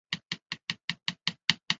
谢讷杜伊人口变化图示